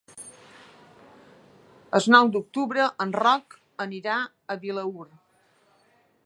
El nou d'octubre en Roc anirà a Vilaür.